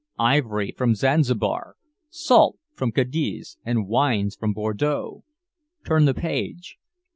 Ivory from Zanzibar, salt from Cadiz and wines from Bordeaux. Turn the page.